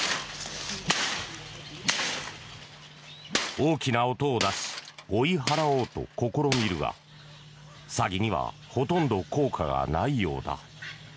大きな音を出し追い払おうと試みるがサギにはほとんど効果がないようだ。